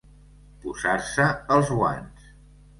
Posar-se els guants.